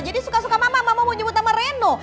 jadi suka suka mama mama mau nyebut nama reno